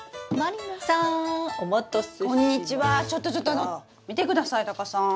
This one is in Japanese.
ちょっとちょっと見てくださいタカさん。